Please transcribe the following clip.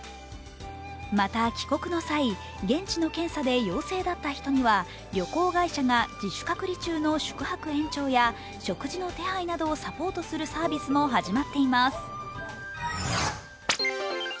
また帰国の際、現地の検査で陽性だった人には旅行会社が自主隔離中の宿泊延長や食事の手配などをサポートするサービスも始まっています。